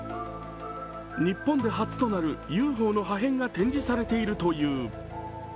日本で初となるＵＦＯの破片が展示されているという。